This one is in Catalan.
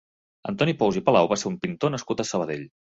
Antoni Pous i Palau va ser un pintor nascut a Sabadell.